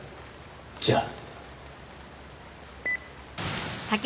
じゃあ。